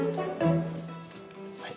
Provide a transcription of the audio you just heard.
はい。